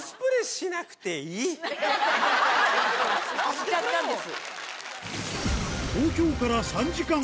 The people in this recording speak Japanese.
しちゃったんです。